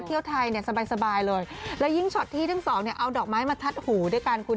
เที่ยวไทยเนี่ยสบายเลยแล้วยิ่งช็อตที่ทั้งสองเนี่ยเอาดอกไม้มาทัดหูด้วยกันคุณ